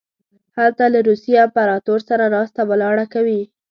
هلته له روسیې امپراطور سره ناسته ولاړه کوي.